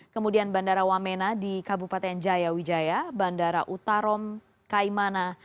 kemudian bandara wamena di kabupaten jaya wijaya bandara utarom kaimana